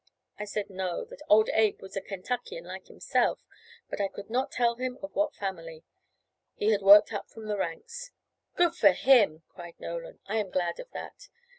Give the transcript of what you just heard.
I said no, that Old Abe was a Kentuckian like himself, but I could not tell him of what family; he had worked up from the ranks. "Good for him!" cried Nolan; "I am glad of that.